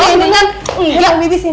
jangan jangan jangan bibi sini non